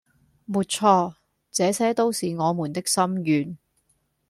沒錯，這些都是我們的心願